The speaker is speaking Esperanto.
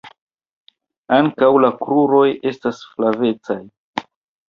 Ankaŭ la kruroj estas flavecaj.